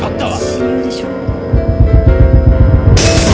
親友でしょ？